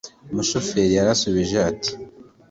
umushoferi yarashubije ati